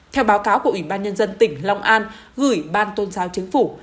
theo báo cáo của ủy ban nhân dân tỉnh long an gửi ban tôn giáo chính phủ